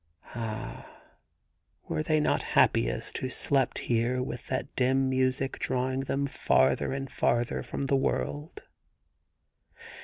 Ah, were they not happiest who slept G 97 THE GARDEN GOD here with that dim music drawing them farther and farther from the world